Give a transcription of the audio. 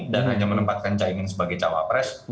dan hanya menempatkan caimin sebagai cawapres